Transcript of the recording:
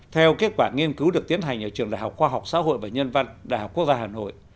theo kết quả nghiên cứu được tiến hành ở trường đại học khoa học xã hội và nhân văn đại học quốc gia hà nội